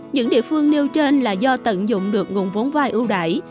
những địa phương nêu trên là do tận dụng được nguồn vốn vai ưu đải